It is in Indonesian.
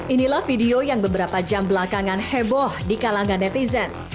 inilah video yang beberapa jam belakangan heboh di kalangan netizen